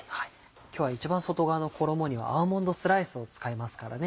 今日は一番外側の衣にはアーモンドスライスを使いますからね。